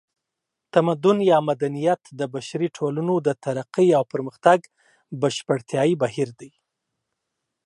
تمدن یا مدنیت د بشري ټولنو د ترقۍ او پرمختګ بشپړتیایي بهیر دی